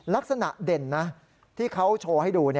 ลักษณะเด่นนะที่เขาโชว์ให้ดู